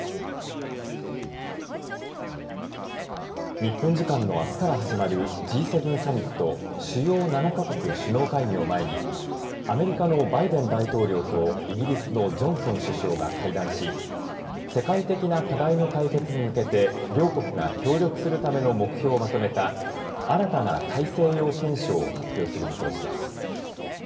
日本時間の、あすから始まるＧ７サミット主要７か国首脳会議を前にアメリカのバイデン大統領とイギリスのジョンソン首相が会談し世界的な課題の解決に向けて両国が協力するための目標をまとめた新たな大西洋憲章を発表する見通しです。